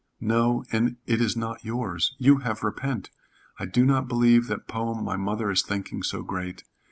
"No, and it is not yours. You have repent. I do not believe that poem my mother is thinking so great.